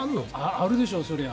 あるでしょ、そりゃ。